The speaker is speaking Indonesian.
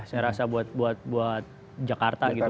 saya rasa buat jakarta gitu